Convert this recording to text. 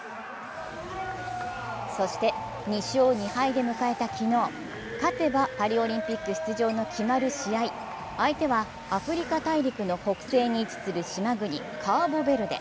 そして、２勝２敗で迎えた昨日、勝てばパリオリンピック出場の決まる試合、相手はアフリカ大陸の北西に位置する島国カーボベルデ。